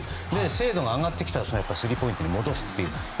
精度が上がってきたらスリーポイントに戻すと。